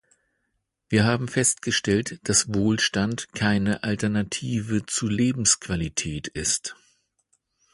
Wir haben festgestellt, dass Wohlstand keine Alternative zu Lebensqualität ist.